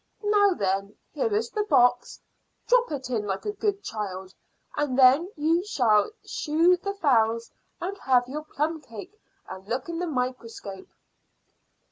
Now then, here is the box. Drop it in like a good child, and then you shall shoo the fowls, and have your plumcake, and look in the microscope."